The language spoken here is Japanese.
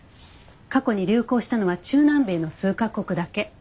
過去に流行したのは中南米の数カ国だけ。